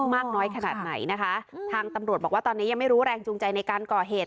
มากน้อยขนาดไหนนะคะทางตำรวจบอกว่าตอนนี้ยังไม่รู้แรงจูงใจในการก่อเหตุ